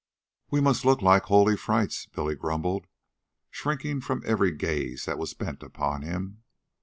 "We must look like holy frights," Billy grumbled, shrinking from every gaze that was bent upon him.